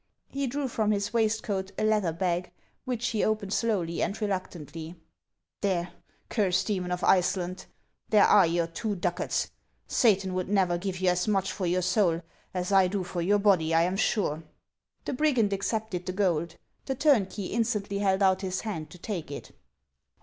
He drew from his waistcoat a leather bag, which he opened slowly and reluctantly. •' There, cursed demon of Iceland, there are your two ducats. Satan would never give you as much for your soul as I do for your body, I am sure." The brigand accepted the gold. The turnkey instantly held out his hand to take it.